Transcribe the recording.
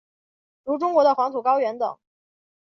如中国的黄土高原等。